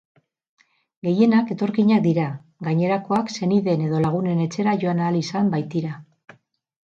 Gehienak etorkinak dira, gainerakoak senideen edo laguneen etxera joan ahal izan baitira.